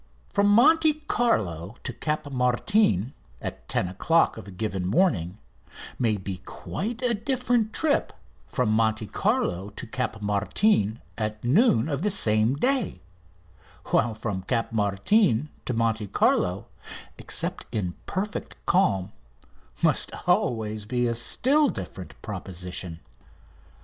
From Monte Carlo to Cap Martin at 10 o'clock of a given morning may be quite a different trip from Monte Carlo to Cap Martin at noon of the same day; while from Cap Martin to Monte Carlo, except in perfect calm, must always be a still different proposition.